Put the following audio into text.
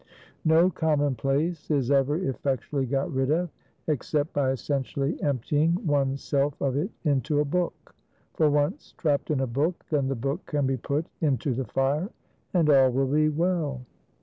No common place is ever effectually got rid of, except by essentially emptying one's self of it into a book; for once trapped in a book, then the book can be put into the fire, and all will be well.